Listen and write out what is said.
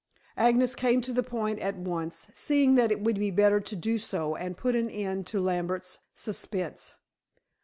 Agnes came to the point at once, seeing that it would be better to do so, and put an end to Lambert's suspense.